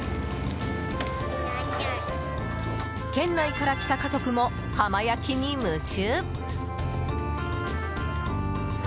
県内から来た家族も浜焼きに夢中。